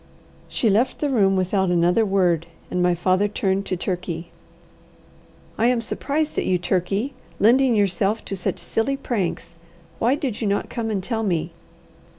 She left the room without another word, and my father turned to Turkey. "I am surprised at you, Turkey, lending yourself to such silly pranks. Why did you not come and tell me."